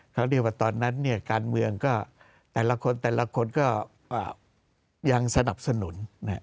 เขาเรียกว่าตอนนั้นการเมืองก็แต่ละคนแต่ละคนก็ยังสนับสนุน